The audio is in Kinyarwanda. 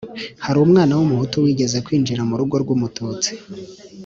hari umwana w’umuhutu wigeze kwinjira mu rugo rw’umututsi